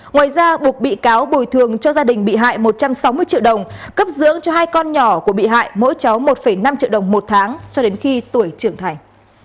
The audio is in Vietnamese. ngoài ra buộc bị cáo bồi thường cho gia đình bị hại một trăm sáu mươi triệu đồng cấp dưỡng cho hai con nhỏ của bị hại mỗi cháu một năm triệu đồng một tháng cho đến khi tuổi trưởng thành